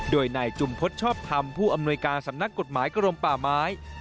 โดยนายจุมพฤษชอบคำผู้อำนวยการสำนักกฎหมายกรมป่าไม้